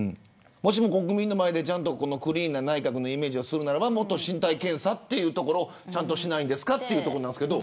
もしも、国民の前でクリーンな内閣のイメージをするならもっと身体検査をちゃんとしないんですかというところですけど。